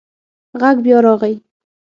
غږ بیا راغی.